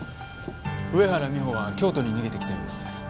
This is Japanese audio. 上原美帆は京都に逃げてきたようです。